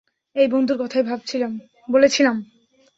এই বন্ধুর কথাই বলেছিলাম।